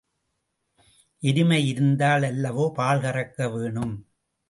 எருமை இருந்தால் அல்லவோ பால் கறக்க வேணும்?